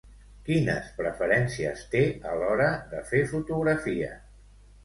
Quines preferències té a l'hora de fer fotografia?